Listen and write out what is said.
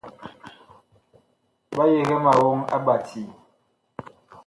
Ɓa yigɛ ma woŋ a Ɓacii.